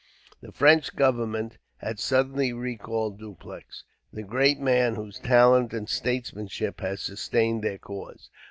The French government had suddenly recalled Dupleix, the great man whose talent and statesmanship had sustained their cause.